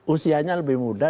usianya lebih muda